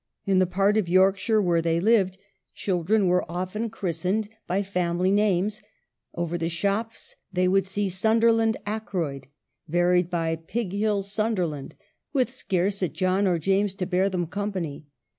In the part of Yorkshire where they lived children are often christened WRITING POETRY. 187 by family names ; over the shops they would see " Sunderland Akroyd," varied by " Pighills Sun derland," with scarce a John or James to bear them company.